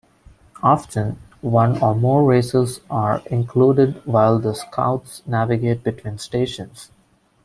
Often, one or more races are included while the Scouts navigate between stations.